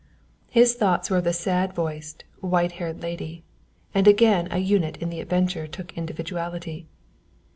His thoughts were of the sad voiced, white haired lady and again a unit in the adventure took individuality.